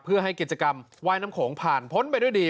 เพื่อให้กิจกรรมว่ายน้ำโขงผ่านพ้นไปด้วยดี